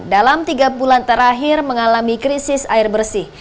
dalam tiga bulan terakhir mengalami krisis air bersih